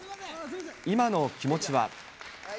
今の気持ちは。